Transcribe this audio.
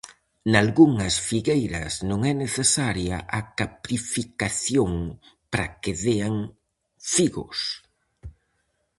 Nalgunhas figueiras non é necesaria a caprificación para que dean figos.